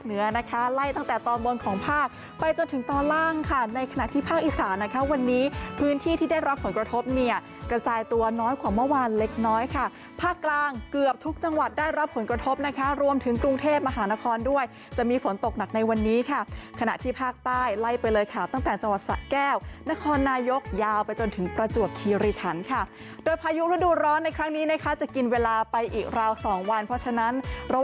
เหนือนะคะไล่ตั้งแต่ตอนบนของภาคไปจนถึงตอนล่างค่ะในขณะที่ภาคอีสานะคะวันนี้พื้นที่ที่ได้รับผลกระทบเนี่ยกระจายตัวน้อยกว่าเมื่อวานเล็กน้อยค่ะภาคกลางเกือบทุกจังหวัดได้รับผลกระทบนะคะรวมถึงกรุงเทพมหานครด้วยจะมีฝนตกหนักในวันนี้ค่ะขณะที่ภาคใต้ไล่ไปเลยค่ะตั้งแต่จังหวัดสะแก้วนคร